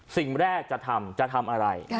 สิ่งแรกจะทำจะทำอะไร